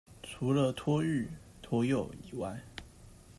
除了托育、托幼以外